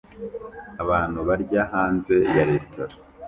Abantu barya hanze ya resitora